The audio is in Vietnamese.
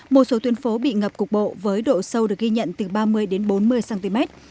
một số tuyến phố bị ngập cục bộ với độ sâu được ghi nhận từ ba mươi đến bốn mươi cm